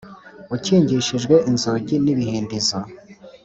ukingishijwe inzugi n ‘ibihindizo .